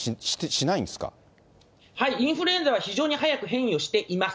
インフルエンザは非常に早く変異をしています。